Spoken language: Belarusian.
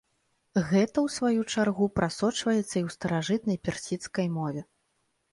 Гэта, у сваю чаргу, прасочваецца і ў старажытнай персідскай мове.